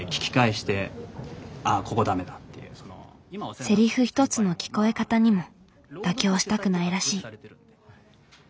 セリフひとつの聞こえ方にも妥協したくないらしい。